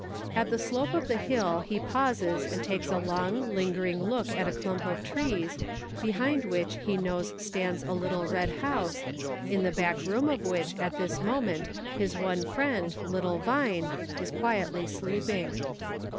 At the slope of the hill he pauses and takes a long, lingering look at a clump of trees, behind which he knows stands a little red house, in the back room of which at this moment his one friend, little Vine, is quietly sleeping.